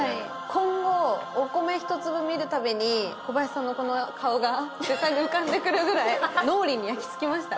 今後お米一粒見る度に小林さんのこの顔が絶対に浮かんでくるぐらい脳裏に焼き付きました。